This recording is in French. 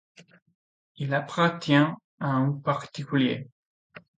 Il appartient à un particulier.